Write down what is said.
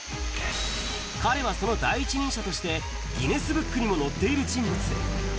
彼はその第一人者として、ギネスブックにも載っている人物。